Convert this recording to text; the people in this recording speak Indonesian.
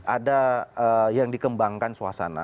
ada yang dikembangkan suasana